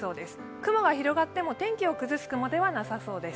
雲が広がっても天気を崩す雲ではなさそうです。